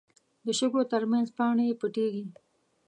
د شګو تر منځ پاڼې پټېږي